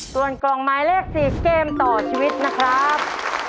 ส่วนกล่องหมายเลข๔เกมต่อชีวิตนะครับ